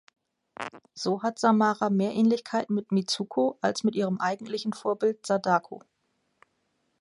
So hat Samara mehr Ähnlichkeit mit Mitsuko als mit ihrem eigentlichen Vorbild Sadako.